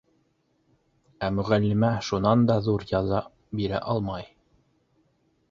Ә мөғәллимә шунан да ҙур яза бирә алмай.